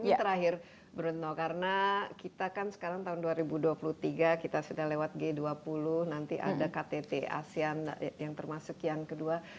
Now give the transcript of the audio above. ini terakhir brotno karena kita kan sekarang tahun dua ribu dua puluh tiga kita sudah lewat g dua puluh nanti ada ktt asean yang termasuk yang kedua